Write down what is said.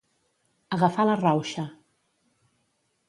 Agafar la rauxa.